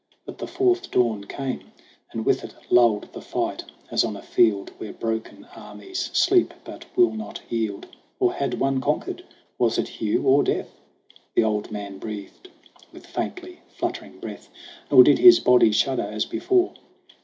But the fourth dawn came And with it lulled the fight, as on a field Where broken armies sleep but will not yield. Or had one conquered ? Was it Hugh or Death ? The old man breathed with faintly fluttering breath, Nor did his body shudder as before.